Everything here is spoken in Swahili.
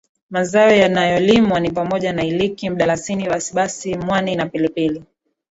Mazao yanayolimwa ni pamoja na iliki mdalasini basibasi mwani na pilipili